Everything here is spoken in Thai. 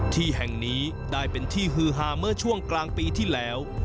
ที่แห่งนี้ได้เป็นที่ฮือฮาเมื่อช่วงกลางปีที่แล้ว